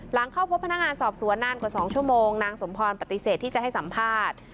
หลังเข้าพบพนักงานสอบสวนนานกว่า๒ชั่วโมงนางสมพรปฏิเสธที่จะให้สัมภาษณ์